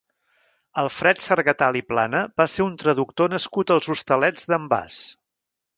Alfred Sargatal i Plana va ser un traductor nascut als Hostalets d'en Bas.